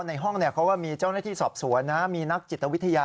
ในห้องเพราะว่ามีเจ้าหน้าที่สอบสวนนะมีนักจิตวิทยา